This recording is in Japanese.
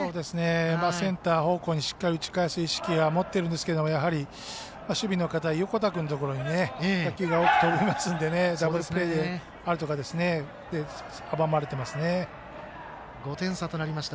センター方向にしっかり打ち返す意識は持っているんですけどやはり、守備の堅い横田君のところによく飛ぶのでダブルプレーなどアウトで５点差となりました。